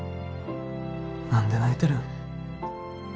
何で泣いてるん？